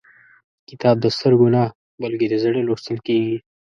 کتاب د سترګو نه، بلکې د زړه لوستل کېږي.